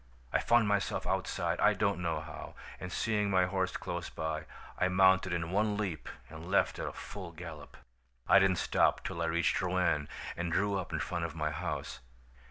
I found myself outside, I don't know how, and seeing my horse close by, I mounted in one leap and left at a full gallop. "I didn't stop till I reached Rouen and drew up in front of my house.